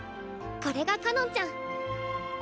これがかのんちゃん。